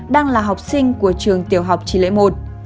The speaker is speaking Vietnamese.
đang là học sinh của trường tiểu học trí lễ i